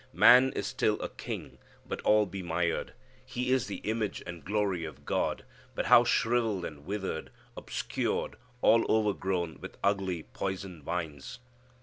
Man is still a king, but all bemired. He is the image and glory of God, but how shrivelled and withered; obscured, all overgrown with ugly poison vines.